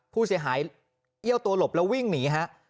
ผู้เสียหายเอี้ยวตัวหลบแล้ววิ่งหนีฮะ